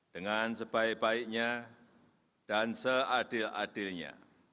dengan sebaik baiknya dan seadil adilnya